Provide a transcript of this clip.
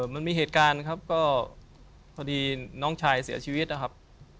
มันมีเหตุการณ์ครับก็พอดีน้องชายเสียชีวิตนะครับ